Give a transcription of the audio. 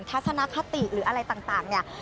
ทัศนคติหรืออะไรต่างเนี่ย